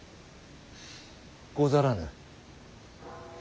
ござらぬ。